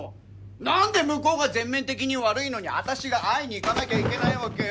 何で向こうが全面的に悪いのにあたしが会いに行かなきゃいけないわけ？